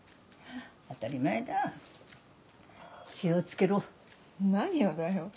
当たり前だ気をつけろ何をだよ